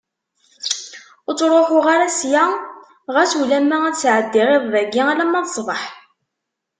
Ur ttruḥuɣ ara ssya, ɣas ulamma ad sɛeddiɣ iḍ dagi, alamma d ṣṣbeḥ.